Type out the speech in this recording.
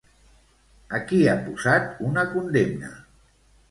A qui ha posat una condemna?